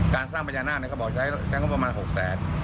การสร้างประญาหน้าเนี่ยเขาบอกใช้ใช้ก็ประมาณหกแสน